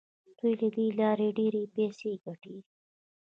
دوی له دې لارې ډیرې پیسې ګټي.